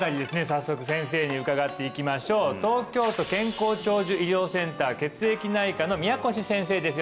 早速先生に伺っていきましょう東京都健康長寿医療センター血液内科の宮腰先生です